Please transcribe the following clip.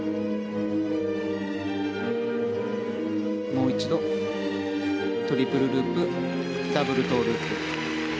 もう一度、トリプルループダブルトウループ。